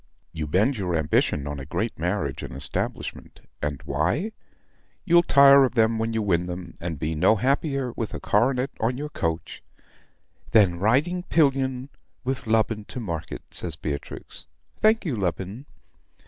You bend your ambition on a great marriage and establishment and why? You'll tire of them when you win them; and be no happier with a coronet on your coach " "Than riding pillion with Lubin to market," says Beatrix. "Thank you, Lubin!"